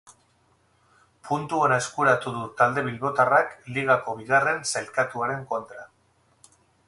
Puntu ona eskuratu du talde bilbotarrak ligako bigarren sailkatuaren kontra.